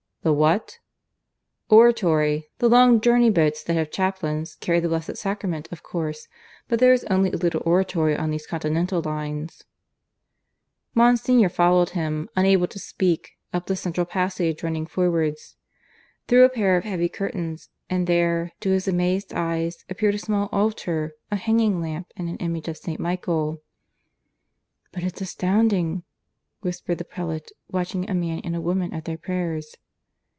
"The what?" "Oratory. The long journey boats, that have chaplains, carry the Blessed Sacrament, of course; but there is only a little oratory on these continental lines." Monsignor followed him, unable to speak, up the central passage running forwards; through a pair of heavy curtains; and there, to his amazed eyes, appeared a small altar, a hanging lamp, and an image of St. Michael. "But it's astounding!" whispered the prelate, watching a man and a woman at their prayers.